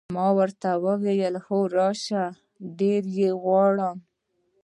ما ورته وویل: هو، راشه، ډېر یې غواړم.